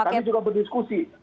kami juga berdiskusi